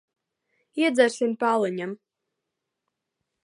Iedzersim pa aliņam.